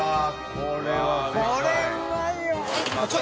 これうまいよ。